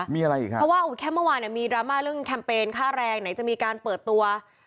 เพราะว่าแค่เมื่อวานมีราม่าเรื่องแคมเปญค่าแรงไหนจะมีการเปิดตัว